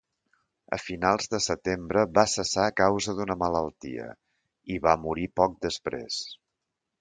A finals de setembre va cessar a causa d'una malaltia i va morir poc després.